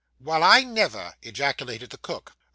'Well, I never!' ejaculated the cook.